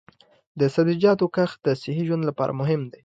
د سبزیجاتو کښت د صحي ژوند لپاره مهم دی.